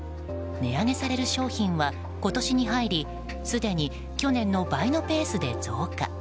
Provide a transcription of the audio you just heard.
値上げされる商品は今年に入りすでに去年の倍のペースで増加。